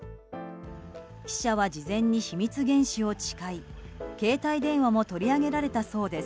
記者は事前に秘密厳守を誓い携帯電話も取り上げられたそうです。